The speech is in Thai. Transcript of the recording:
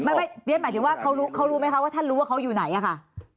เรียนหมายถึงว่าเขารู้ไหมคะว่าท่านรู้ว่าเขาอยู่ไหนอะค่ะ